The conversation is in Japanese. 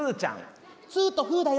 ツーとフーだよ。